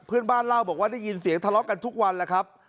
เพื่อนบ้านเล่าบอกว่าได้ยินเสียงทะเลาะกันทุกวันแล้วครับ